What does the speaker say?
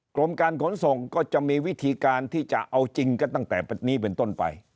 กรมการขนส่งก็จะมีวิธีการที่จะเอาจริงกันตั้งแต่นี้เป็นต้นไป